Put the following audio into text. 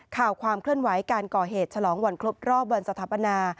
ความเคลื่อนไหวการก่อเหตุฉลองวันครบรอบวันสถาปนา